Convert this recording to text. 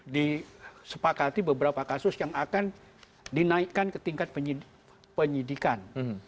disepakati beberapa kasus yang akan dinaikkan ke tingkat penyidikan